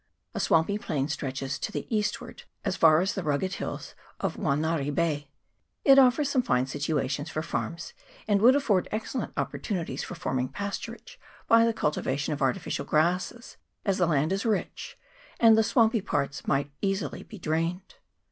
A swampy plain stretches to the eastward as far as the rugged hills of Wangari Bay : it offers some fine situations for farms, and would afford excellent opportunities for forming pasturage by the cultivation of artificial grasses, as the land is rich, and the swampy parts might easily be drained.